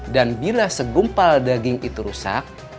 dan bila segumpal daging itu rusak